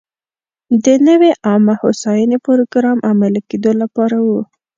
د نوې عامه هوساینې پروګرام عملي کېدو لپاره و.